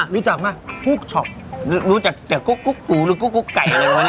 รู้จักมากกุ๊กช็อปรู้จักแต่กุ๊กกูหรือกุ๊กไก่อะไรวะ